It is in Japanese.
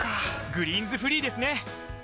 「グリーンズフリー」ですね！